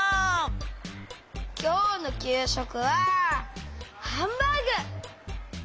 きょうのきゅうしょくはハンバーグ！